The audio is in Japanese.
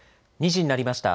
２時になりました。